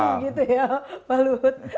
ada special treatment gitu ya pak luhut